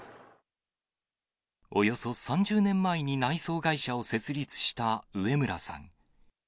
およそ３０年前に内装会社を設立した上邨さん。